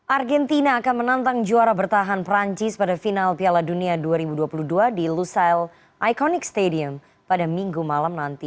argentina akan menantang juara bertahan perancis pada final piala dunia dua ribu dua puluh dua di lusail iconic stadium pada minggu malam nanti